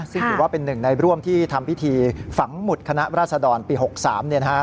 ซึ่งถือว่าเป็นหนึ่งในร่วมที่ทำพิธีฝังหมุดคณะราชดรปี๖๓